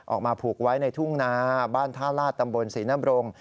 ออกมาผูกไว้ในทุ่งนาบ้านท่าลาศตำบลศรีนบรง